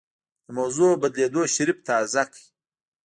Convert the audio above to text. د موضوع بدلېدو شريف تازه کړ.